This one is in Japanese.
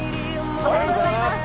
おはようございます。